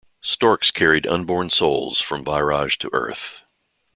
Storks carried unborn souls from Vyraj to Earth.